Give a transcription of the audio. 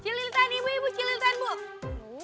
cililitan ibu ibu cililitan ibu